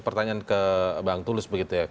pertanyaan ke bang tulus begitu ya